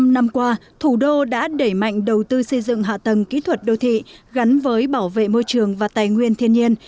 bảy mươi năm năm qua thủ đô đã đẩy mạnh đầu tư xây dựng hạ tầng kỹ thuật đô thị gắn với bảo vệ môi trường và tài nguyên thiên nhiên